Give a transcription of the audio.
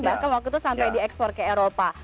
bahkan waktu itu sampai di ekspor ke eropa